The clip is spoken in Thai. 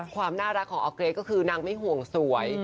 ความน่ารักของออร์เกรทก็คือนางไม่ห่วงสวย